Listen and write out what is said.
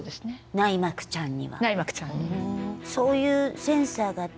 内膜ちゃんに。